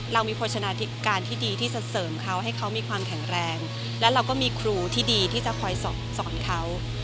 เรามีโภชนาธิการที่ดีที่จะเสริมเขาให้เขามีความแข็งแรงและเราก็มีครูที่ดีที่จะคอยสอนเขา